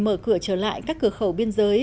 mở cửa trở lại các cửa khẩu biên giới